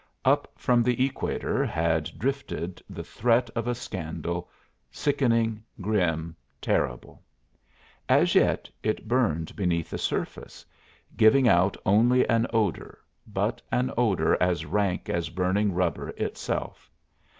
Up from the equator had drifted the threat of a scandal, sickening, grim, terrible. As yet it burned beneath the surface, giving out only an odor, but an odor as rank as burning rubber itself.